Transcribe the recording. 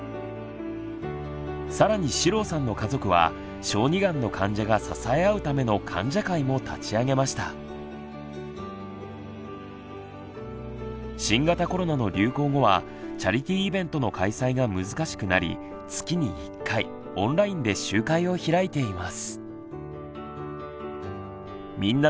更に四郎さんの家族は小児がんの新型コロナの流行後はチャリティイベントの開催が難しくなり月に１回オンラインで集会を開いています。